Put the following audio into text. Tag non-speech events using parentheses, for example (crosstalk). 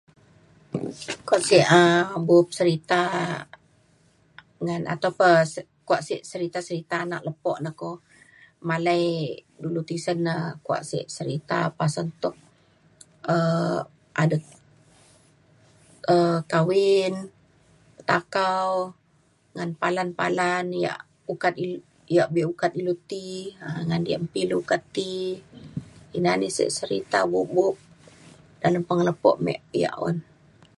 (noise) kua sik um bup serita ngan atau pa s- kuak sik serita serita anak lepo na ko malei dulu tisen na kuak sik serita pasen tuk um adet um kawin petakau ngan palan palan ia' ukat ilu ia' abek ukat ilu ti um ngan ia' ilu mpi ukat ilu ti ina na sik serita bup bup dalem pengelepo me ia' un